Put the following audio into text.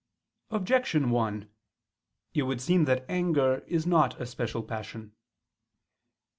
Objection 1: It would seem that anger is not a special passion.